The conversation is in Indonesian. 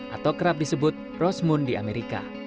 atau kerap disebut rose moon di amerika